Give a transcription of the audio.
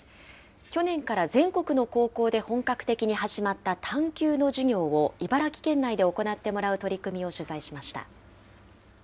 去年から全国の高校で本格的に始まった探究の授業を茨城県内で行ってもらう取り組みを取材しました。